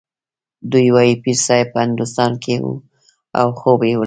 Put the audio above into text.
دوی وايي پیرصاحب په هندوستان کې و او خوب یې ولید.